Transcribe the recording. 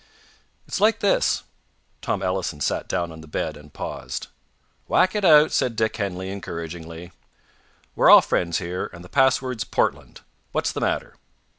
"It's like this." Tom Ellison sat down on the bed, and paused. "Whack it out," said Dick Henley encouragingly. "We're all friends here, and the password's 'Portland.' What's the matter?"